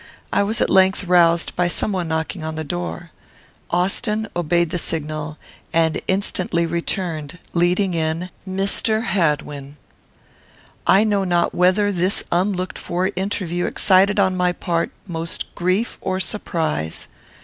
I was at length roused by some one knocking at the door. Austin obeyed the signal, and instantly returned, leading in Mr. Hadwin! I know not whether this unlooked for interview excited on my part most grief or surprise.